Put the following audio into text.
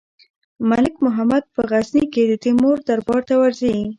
ملک محمد په غزني کې د تیمور دربار ته ورځي.